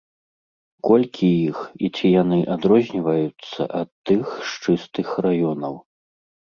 Колькі іх, і ці яны адрозніваюцца ад тых з чыстых раёнаў?